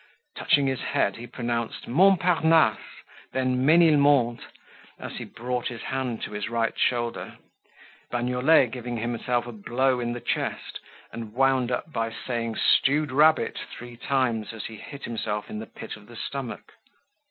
Touching his head he pronounced Montpernasse, then Menilmonte as he brought his hand to his right shoulder, Bagnolet giving himself a blow in the chest, and wound up by saying stewed rabbit three times as he hit himself in the pit of the stomach.